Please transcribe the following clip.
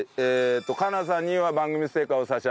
カナさんには番組ステッカーを差し上げます。